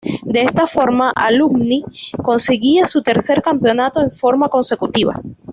De esta forma Alumni conseguía su tercer campeonato en forma consecutiva.